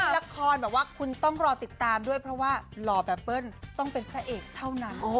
ละครแบบว่าคุณต้องรอติดตามด้วยเพราะว่าหล่อแบบเปิ้ลต้องเป็นพระเอกเท่านั้น